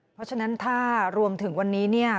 เพราะฉะนั้นถ้ารวมถึงวันนี้เนี่ย